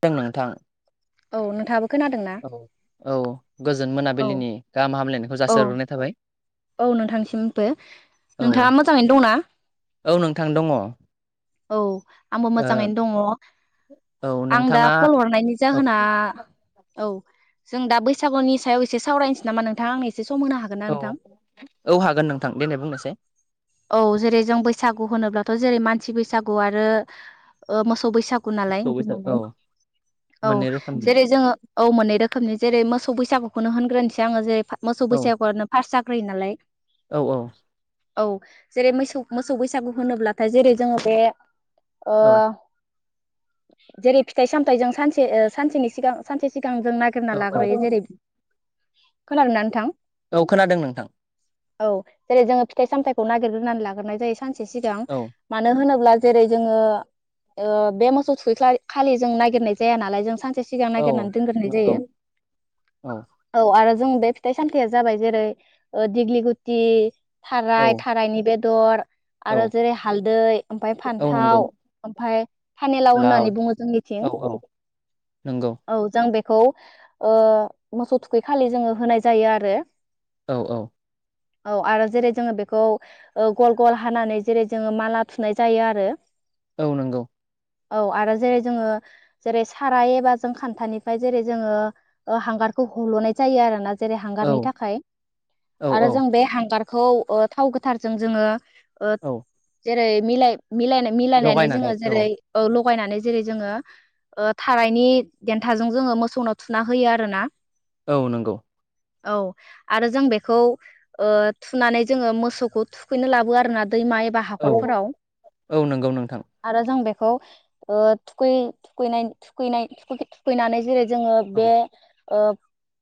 खोनादों नोंथां। औ नोंथांङाबो। औ औ गोजोन औ मोनाबिलिनि गाहाम हामलायनायखौ औ जासिहरग्रोनाय थाबाय। औ नोंथांसिमबो औ नोंथांङा मोजाङैनो दंना। औ नोंथां दङ ओ औ आंबो मोजांङैनो दङ। औ आं दा नोंथाङा कल हरनायनि औ जाहोना औ। जों दा बैसागुनि सायाव एसे सावरायनोसै नामा नोंथां आंनि। एसे सम होनो हागोन ना औ नोंथां। औ हागोन नोंथां देनाय बुंनोसै औ जेरै जों बैसागु होनोब्लाथ जेरै मानसि बैसागु। बैसागु आरो ओ मोसौ। बैसागु नालाय औ औ मोननै रोखोमनि जेरै जोंङो औ मोनै रोखोमनि। जेरै मोसौ बैसागुखौनो होनग्रोनोसै आंङो जेरै मोसौ औ बैसागुआनो फार्स्ट जाग्रोयो नालाय। औ औ। औ जेरै मोसौ मोसौ बैसागु होनोब्लाथाय जेरै जोंङो बे ओ औ जेरै फिथाइ सामथाइजों सानसे सानसेनि सिगां सानसे सिगां। सिगांजों नागिरना औ औ लाग्रोयो जेरै खोनादोंना नोंथां। औ खोनादों नोंथां। औ जेरै जोंङो फिथाइ सामथाइखौ नागिरग्रोनानै लाग्रोनाय जायो सानसे सिगां औ मानो होनोब्ला। जेरै जोंङो बे मोसौ थुखै खालि नागिरनाय जाया नालाय जों सानसे सिगा सिगां औ नागिरनानै दोनग्रोनाय नंगौ जायो औ औ आरो। जों बे फिथाइ सामथाया जाबाय जेरै दिग्लि गुटि औ औ थाराय थारायनि बे। बेदर आरो जेरै हालदै। ओमफ्राय औ नंगौ फान्थाव ओमफ्राय फानलाव लाव होननानै बुङो औ जोंनिथिं। औ नंगौ। औ जों बेखौ मोसौ थुखै खालि जोंङो होनाय जायो आरो। औ औ। औ आरो जेरै जोंङो बेखौ गल गल हानानै जेरै जोंङो माला। सुनाय जायो आरो। औ नंगौ। औ आरो जेरै जोंङो जेरै साराय एबा जों खान्थानिफ्राय जेरै जोंङो हांगार। हलनाय जायो आरो ना। जेरै औ हांगारनि थाखाय औ आरो औ जों बे हांगारखौ थाव गोथारजों जोंङो। औ जेरै मिल मिलायनानै लगायनानै जोंङो औ जेरै। थगायनानै जेरै जोंङो थारायनि देन्थाजों जोंङो मोसौनाव थुना होयो आरो ना। औ नंगौ। औ आरो जों बेखौ थुनानै जोंङो मोसौखौ थुखैनो लाबोयो आरो ना। दैमाइ एबा औ हाखर। औ नंगौ, नोंथां। औ थुखैनानै जेरै- जोङो औ बे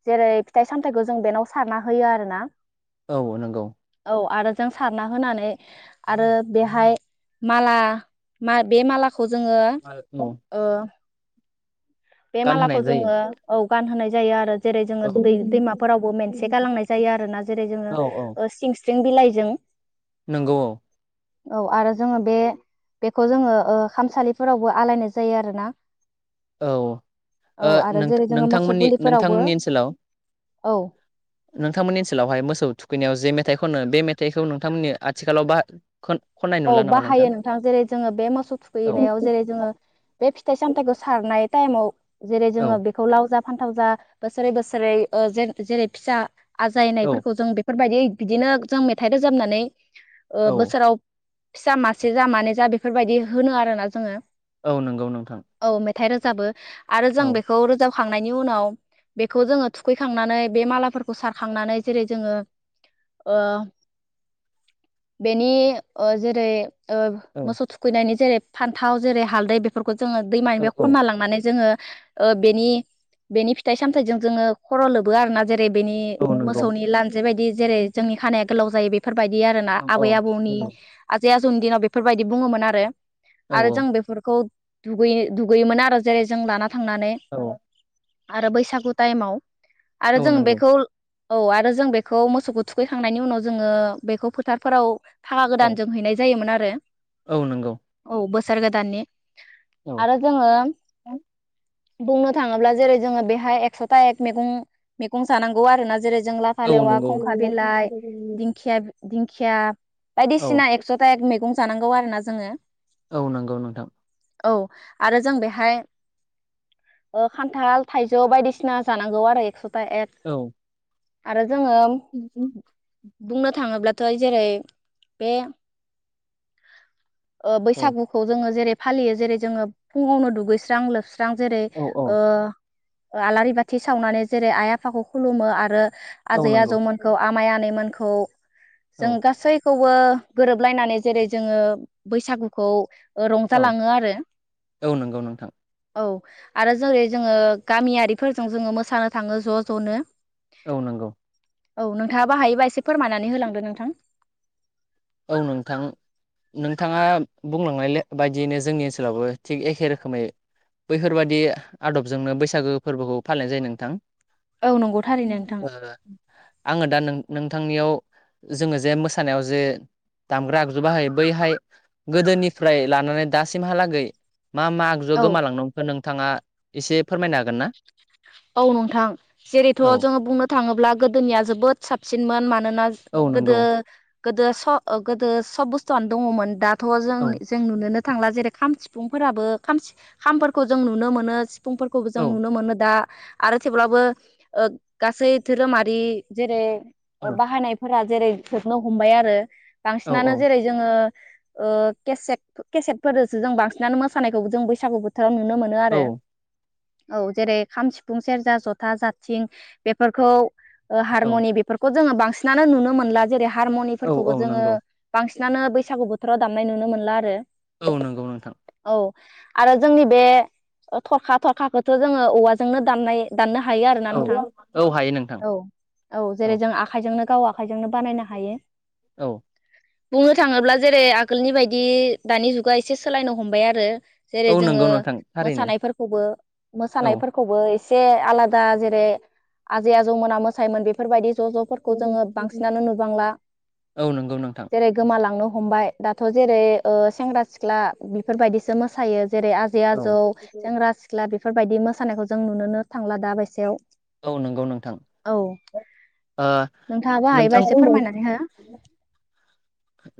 जेरै- फिथाइ सामथायाइखौ जों बेनाव सारना होयो आरो ना। औ नंगौ। औ आरो जों सारना होनानै आरो बेहाय माला बे मालाखौ खौ जोङो औ ओ। बे गानहोनाय मालाखौ जायो जोङो औ गानहोनाय जायो आरो जेरै औ जोङो दै दैमाफोरावबो मोनसे गालांनाय जायो आरो ना जेरै औ औ जोङों जों बिलाइजों। नंगौ। औ आरो जोङो बे बेखौ जोङो खामसालिफोरावबो आलायनाय जायो आरोना। औ ओ औ आरो जेरै जोङो मोसौ नोंथांमोननि गुलिफोरावबो नोंथांमोननि ओनसोलाव औ। नोंथांमोननि ओनसोलावहाय मोसौ थुखैनायाव जे मेथाइ खनो बे मेथाइखौ नोंथांमोननि आथिखालाव बाह औ बाहायो नोंथां जेरै जोङो बे मोसौ औ थुखैनायाव जेरै जोङो बे फिथाइ सामथायाइखौ सारनाय टाइमाव जेरै- औ जोङो बेखौ लाव जाब फानथाव जा बोसोरै- बोसोरै ज जेरै फिसा औ आजायनायफोरखौ जों बेफोरबायदि बिदिनो जों मेथाइ रोजाबनानै ओ औ बोसोराव फिसा मासे जा मानै जा बेफोरबायाददि होनो आरोना जोङो औ नंगौ नोंथां। औ मेथाइ रोजाबो आरो औ जों बेखौ रोजाबखां खांनायनि उनाव बेखौ जोङो थुखैखांनानै बे मालाफोरखौ सारखांनानै जेरै जोङो ओ बेनि- ओ जेरै ओ औ मोसौ थुखैनायनि जेरै फान्थाव जेरै हालदै बेफोरखौ जोङो औ दैमानिफ्राय खन्ना लांनानै जोङो ओ बेनि बेनि फिथाइ सामथाइजों जोङो खर' लोबो आरो ना। जेरै बेनि औ नंगौ मोसौनि लान्जाय बायदि जेरै जोंनि खानाया गोलाव जायो बे बेफोरबायदि आरो ना औ औ आबै आबौनि आजै आजौनि दिनाव बेफोरबायदि बुङोमोन आरो औ आरो जों बेफोरखौ दुगै दुगैयोमोन आरो जेरै जों लानानै थांनानै औ आरो बैसागु टाइमाव आरो औ जों नंगौ बेखौ औ आरो जों बेखौ मोसौखौ थुखैखांनायनि उनाव जोङो बेखौ फोथारफोराव फागा औ गोदान जों हैनाय जायोमोन आरो। औ नंगौ। औ बोसोर गोदाननि औ आरो जोङो बुंनो थाङोब्ला जेरै जोङो बेहाय एकस' था एक मैगं मैगं जानांगौ आरोना जेरै- जों लाफा औ लेवा, नंगौ खंखा बिलाइ, दिंखिया दिंखिया औ बायदिसिना एकस'था एक मैगं जानांगौ आरो ना जोङो औ नंगौ नोंथां। औ आरो जों बेहाय खान्थाल थाइजौ बायदिसिना जानांगौ आरो एकस' ता एक औ आरो जोङो बुंनो थाङोब्लाथ' जेरै बे औ बैसागुखौ जोङो जेरै फालियो जेरै जोङो फुंङावनो दुगैस्रां लोबस्रां जेरै औ औ आलारि बाथि सावनानै जेरै आइ आफाखौ खुलुमो आरो औ आजै नंगौ आजौमोनखौ आमाइ आनैमोनखौ औ जों गासै गोरोबलायनानै जेरै जोङो बैसागुखौ खुङो। औ रंजालाङो आरो औ नंगौ नोंथां औ। आरो जेरै जोङो गामियारिफोरजों जोङो मोसानो थाङो ज'- ज'नो। औ नंगौ। औ नोंथाङाबो हायोबा एसे फोरमायनानै होलांदो नोंथां औ नोंथां नोंथाङा बुंलांनाय ले बायदियैनो जोंनि ओनसोलावबो थिग एखे रोखोमै बैफोरबायदि आदबजोंनो बैसागो फोरबोखौ फालिनाय जायो नोंथां औ नंगौ थारैनो नोंथां ओ आङो दा नोंथांनियाव जोङो जे मोसानायाव जे दामग्रा आगजु बाहायो बैहाय गोदोनिफ्राय लानानै दासिमहालागै मा मा आगजु औ गोमालांनो हमखो नोंथाङा एसे फोरमायनो हागोन ना औ नोंथां जेरैथ' औ जोङो बुंनो थाङोब्ला गोदोनिया जोबोद साबसिनमोन मानोना औ नंगौ गोदो गोदो स ओ गोदो सब बुस्थुआनो दङमोन दा थ' जों औ जों नुनोनो थांला जैरै खाम सिुफुंफोराबो खाम खामफोरखौ जों नुनो मोनो सिफुंफोर खौबो जों औ नुनो मोनो दा आरो थेवब्लाबो ओ गासै धोरोमारि जेरै औ बाहायनायफोरा जेरै थोबनो हमबाय आरो औ बांसिनानो जेरै जोङो ओ केसेट केसेटफोरजोंसो जों बांसिनानो मोसानायखौबो जों बैसागु बोथ राव नुनो मोनो औ आरो औ जेरै खाम सिफुं सेरजा जथा जाबथिं बेफोरखौ औ हारमनि बेफोरखौ जोङो बांसिनानो नुनो मोनला जेरै औ हारमनिफोरखौबो औ जोङो नंगौ बांसिन नानो बैसागु बोथोराव दामनाय नुनो मोनला आरो औ नंगौ नोंथां औ आरो जोंनि बे थरखा थरखाखौथ' जोङो औवाजोंनो दामनाय दाननो हायो आरोना औ नोंथां औ हायो नोंथां औ औ जेरै जों आखाइजोंनो गाव आखाइजोंनो बानायनो हायो औ। बुंनो थाङोब्ला जेरै आगोलनि बायदि दानि जुगा एसे सोलायनो हमबाय आरो। औ जेरै नंगौ जोङो नोंथां थारैनो मोसानायफोरखौबो औ मोसानायफोरखौबो एसे आलादा जेरै आजै आजौमोना मोसायोमोन बेफोरबायदि ज' ज'फोरखौ जोङो बांसिनानो नुबांला औ नंगौ नोंथां जेरै गोमालांनो हमबाय दाथ' जेरै ओ सेंग्रा सिख्ला बेफोरबायदिसो मोसायो। जेरै आजै औ आजौ सेंग्रा सिख्ला बेफोरबायदि मोसानायखौ जों नुुनोनो थांला दाबायसायाव औ नंगौ नोंथां। ओ नोंथाङाबो हायोबा नोंथां एसे फोरमायनानै हो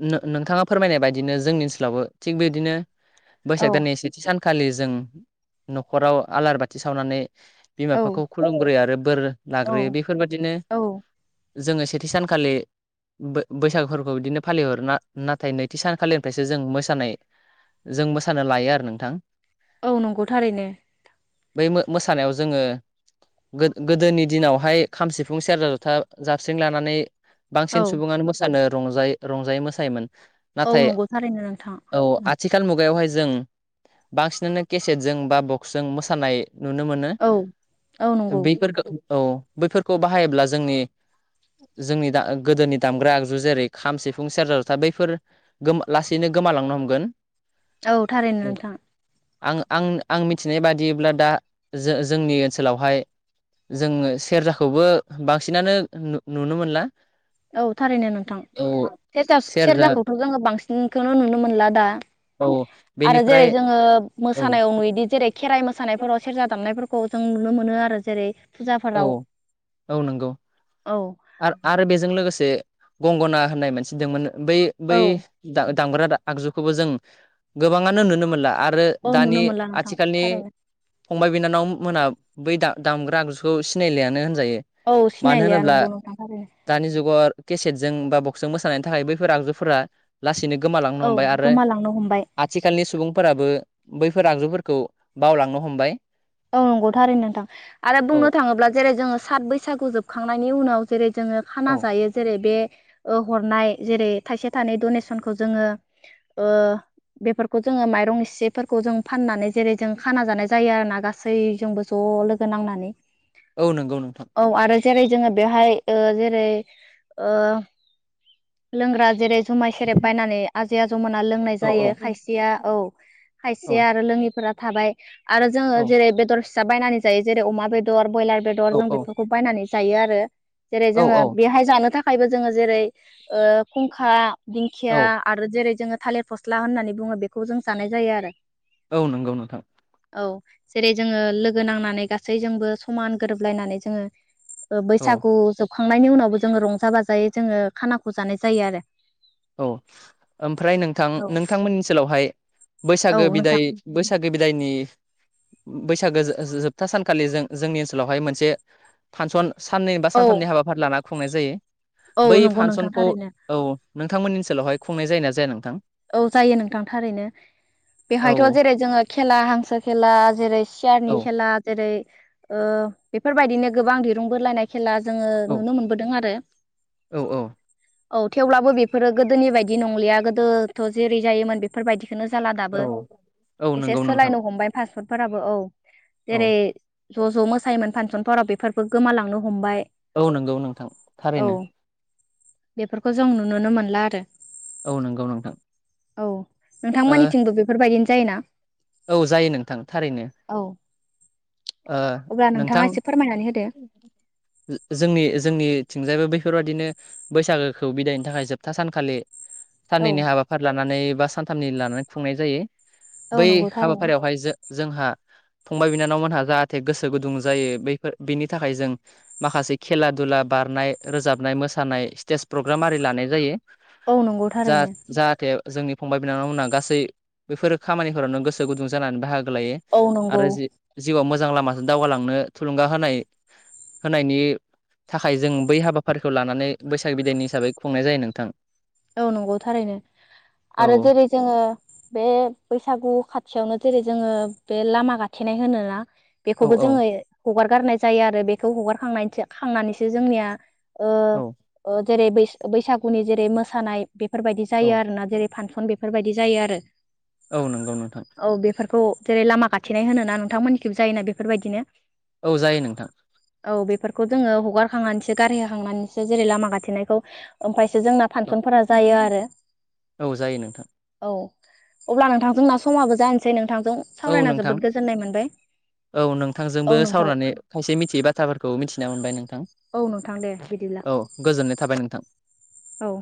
नों नोंथाङा फोरमायनाय बायदिनो जोंनि ओनसोलावबो थिग बिदिनो बैसाग औ दाननि सेथि सान खालि जों न'खराव आलार बाथि सावनानै बिमा औ बिफाखौ खुलुमग्रोयो आरो बोर औ लाग्रोयो बेफोरबादिनो जोङो सेथि सानखालि बैसागुफोरखौ बिदिनो फालिहर नाथाय नैथि सानखालिनिफ्रायसो जों मोसानाय जों मोसानो लायो आरो नोंथां औ नंगौ थारैनो। बै मो मोसानायाव जोङो गो गोदोनि दिनावहाय खाम सिफुं सेरजा जथा जाबस्रिं लानानै बांसिन औ सुबुङानो मोसानो रजायो रंजायो मोसायोमोन। औ नाथाय नंगौ थारैनो नोंथां औ आ थिखाल मुगायावहाय जों बांसिनानो केसेटजों बा बक्सजों मोसानाय नुनो मोनो औ औ नंगौ बेैफोरखौ औ बैफोरखौ बाहायोब्ला जोंनि जोंनि दा गोदोनि दामग्रा आगजु जेरै खाम सि फुं सेरजा जथा बैफोर गोमा लासैनो गोमालांनो हमगोन औ थारैनो नोंथां। आं आं आं मिथिनाय बादिब्ला दा जो जोंनि ओनसोलावहाय जोङो सेरजाखौबो बांसिनानो नुनो मोनला। औ थारैनो नोंथां औ सेरजा सेरजाखौथ' जोङो बांसिनखौनो नुनो मोनला दा औ। आरो जेरै बेनिफ्राय जोङो औ मोसानायाव नुयोदि जेरै खेराइ मोसानायफोराव सेरजा दामनायफोरखौ जों नुनो मोनो आरो जेरै औ फुजाफोराव औ नंगौ औ आरो आरो बेजों लोगोसे गंगना होननाय मानसे दंमोन बै बै औ दामग्रा आगजुखौबो जों गोबांआनो नुनो मोनला आरो आरो औ नुनो दानि मोनला नोंथां आथिखालनि थारैनो फंबाय बिनानाव मोना बै दा दामग्रा आगजुखौ सिनायलियानो होन जायो औ मानो सिनायलिया होनोब्ला नंगौ नोंथां थारैनो दानि जुगाव केसेटजों बा बक्स जों मोसानायनि थाखाय बैफोर आगजुफोरा लासैनो गोमालांनो औ हमबाय आरो गोमालांनो हमबाय आथिखालनि सुबुंफोराबो बैफोर आगजुफोरखौ बावलांनो हमबाय औ नंगौथारै नोंथां आरो औ बुंनो थाङोब्ला जेरै जोङो सात बैसागु जोबखांनायनि उनाव जेरै जोङो औ खाना जायो जेरै बे हरनाय जेरै थाइसे थाइनै डनेसनखौ जोङो ओ बेफोरखौ जोङो माइरं इसेफोरखौ जों फाननानै जेरै जों खाना जानाय जायो आरो ना गासैबो गासैजोंबो ज' लोगो नांनानै औ नंगौ नोंथां औ आरो जेरै जोङो बेहाय जेरै लोंग्रा जेरै जुमाय सेरेब बायनानै आजै आजौमोना लोंनाय औ औ जायो खायसेया औ। औ खायसेआ आरो लोङिफोरा थाबाय आरो औ जोङो जेरै बेदर फिसा बायनानै जायो जेरै अमा बेदर ब्रयलार औ बेदर जों औ बेफोरखौ बायनानै जायो आरो। जेरै औ जोङो औ बेहाय जानो थाखायबो जोङो जेरै खुंखा दिंखिया औ आरो जेरै जोङो थालिर फस्ला होननानै बुङो बेखौ जों जानाय जायो आरो। औ नंगौ नोंथां। औ जेरै जोङो लोगो नांनानै गासैजोंबो समान गोरोबलायनानै जोङो औ बैसागु जोबखांनायनि उनावबो जोङो रंजा बाजायै जोङो खानाखौ जानाय जायो आरो औ ओमफ्राय नोंथां औ नोंथांमोननि ओनसोलावहाय औ बैसागो नोंथां बिदाय बैसागो गो बिदायनि बैसागो जोबथा सानखालि जों जोंनि ओनसोलावहाय मोनसे फांसन साननै बा औ सानथामनि हाबाफारि लाना खुंनाय जायो औ बै नंगौ नोंथां फांसनखौ थारैनो औ नोंथांमोननिओनोलावहाय खुंनाय जायोना जाया नोंथां औ जायो नोंथां थारैनो। औ बेवहायथ' जेरै जोङो खेला हांसो खेला जेरै सियारनि औ खेला जेरै बेफोरबायदिनो गोबां दिरुं बोलायनाय खेला जोङो औ नुनो मोनबोदों आरो औ औ थेवब्लाबो बेफोरो गोदोनि बायदि नंलिया गोदोथ' जेरै जायोमोन बेफोरबायदि खौनो जाला दाबो औ औ एसे नंगौ नोंथां सोलायनो हमबाय पांसनफोराबो औ औ जेरै ज' ज' मोसायोमोन फांसनफोराव बेफोरफोरबो गोमालांनो हमबाय। औ नंगौ नोंथां औ थारैनो बेफोरखौ जों नुुनोनो मोनला आरो औ नंगौ नोंथां औ ओ नोंथांमोननिथिंबो बेफोरबायदिनो जायोना? औ जायो नोंथां थारैनो। औ ओ अब्ला नोंथां नोंथाङा एसे फोरमायनानै होदो जोंनि जोंनि थिंजायबो बैफोरबायादिनो बैसागोखौ बिदायनो थाखाय जोबथा सानखालि औ साननैनि हाबाफारि लानानै बा सानथामनि लानानै खुंनाय जायो। औ बै नंगौ थारैनो हाबाफारियावहाय जो जोंहा फंबाय बिनानावमोनहा जाहाथे गोसो गुदुं जायो बैफोर बेनि थाखाय जों माखासे खेला दुला बारनाय रोजाबनाय नाय मोसानाय स्टेज प्रग्राम आरि लानाय जायो औ नंगौ थारैनो जाहाथे जोंनि फंबाय बिनानावमोनहा गासै बेफोर खामानिफोरावनो गोसो गुदुं जानानै बाहागो। औ नंगौ आरो जिउआव मोजां लामाजों दावगालांनो थुलुंगा होनाय। होनायनि थाखाय जों बै हाबाफारिखौ लानानै बैसाग बिदायनि हिसाबै खुंनाय जायो नोंथां। औ नंगौ थारैनो। औ आरो जेरै जोङो बे बैसागु खाथियावनो जेरै। जोङो बे लामा गाथेनाय होनोना बेखौबो औ जोङो हगार गारनाय जायो आरो बेखौ हगार खांनानैसो जोंनिया ओ औ ओ जेरै बैसागुनि जेरै मोसानाय बेफोरबायदि जायो औ आरोना जेरै फानसन बेफोरबायदि जायो आरो। औ नंगौ नोंथां। खौ जेरै लामा खाथिनाय होनो ना नोंथांमोननिखबो जायोना बेफोरबायदिनो। औ जायो नोंथां। औ बेफोरखौ जोङो हगारखांनानैसो गारहोखांनानैसो जेरै लामा गाथेनायखौ ओमफ्रायसो जों औ औ जायो नोंथां। औ अब्ला नोंथांजोंना समाबो जानोसै नोंथांजों औ सावरायना नोंथां जोबोद गोजोननाय मोनबाय। औ नोंथांजोंबो औ नोंथां सावनानै खायसे मिथियै बाथ्राफोरखौ मिथिना मोनबाय नों। नोंथा औ नोंथां दे बिदिब्ला औ गोजोननाय थाबाय नोंथां। औ